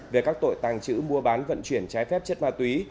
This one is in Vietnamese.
về các tội tàng trữ mua bán vận chuyển trái phép chất ma túy